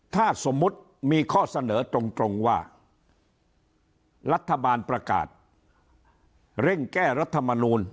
ถ้าสมมุติมีข้อเสนอตรงว่ารัฐบาลประกาศเร่งแก้รัฐมนูล